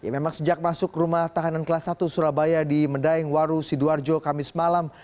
memang sejak masuk rumah tahanan kelas satu surabaya di medaeng waru sidoarjo kamis malam